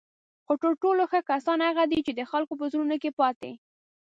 خو تر ټولو ښه کسان هغه دي چی د خلکو په زړونو کې پاتې